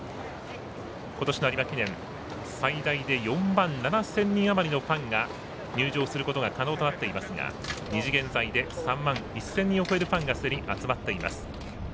今年の有馬記念、最大で４万７０００人あまりのファンが入場することが可能となっていますが２時現在で３万１０００人を超えるファンがすでに集まっています。